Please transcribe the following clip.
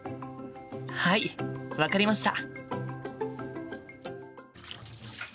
はい分かりました！